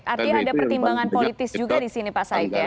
artinya ada pertimbangan politis juga di sini pak said ya